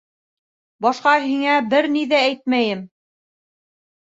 Башҡа һиңә бер ни ҙә әйтмәйем.